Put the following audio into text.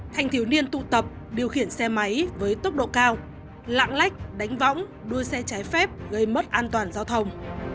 thanh thiếu niên tụ tập điều khiển xe máy với tốc độ cao lạng lách đánh võng đua xe trái phép gây mất an toàn giao thông